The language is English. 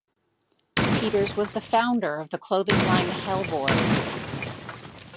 Peters was the founder of the clothing line Hellboy.